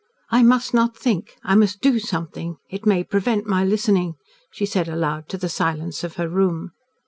"I must not think. I must do something. It may prevent my listening," she said aloud to the silence of her room.